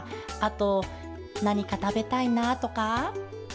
あと「なにかたべたいな」とか？